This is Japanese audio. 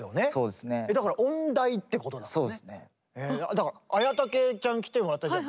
だから文武ちゃん来てもらったじゃん。